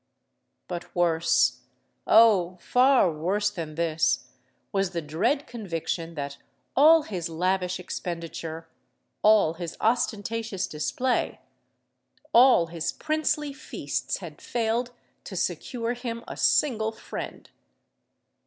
But worse—oh! far worse than this was the dread conviction that all his lavish expenditure—all his ostentatious display—all his princely feasts, had failed to secure him a single friend!